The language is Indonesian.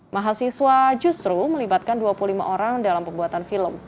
mahasiswa justru melibatkan dua puluh lima orang dalam pembuatan film